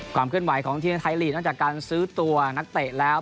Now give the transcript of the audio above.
ความเคลื่อนไหวของทีมไทยลีกนอกจากการซื้อตัวนักเตะแล้ว